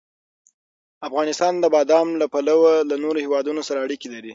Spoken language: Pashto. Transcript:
افغانستان د بادام له پلوه له نورو هېوادونو سره اړیکې لري.